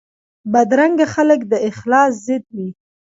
بدرنګه خلک د اخلاص ضد وي